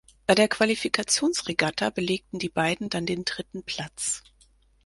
Bei der Qualifikationsregatta belegten die beiden dann den dritten Platz.